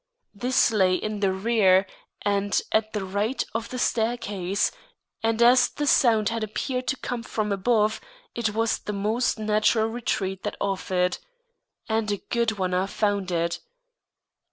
This lay in the rear and at the right of the staircase, and as the sound had appeared to come from above, it was the most natural retreat that offered. And a good one I found it.